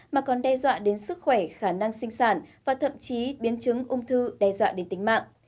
mà còn đe dọa đến sức khỏe khả năng sinh sản và thậm chí biến chứng ung thư đe dọa đến tính mạng